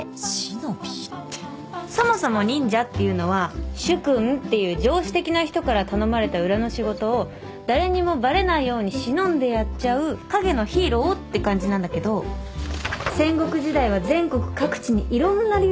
そもそも忍者っていうのは主君っていう上司的な人から頼まれた裏の仕事を誰にもバレないように忍んでやっちゃう影のヒーローって感じなんだけど戦国時代は全国各地にいろんな流派があって。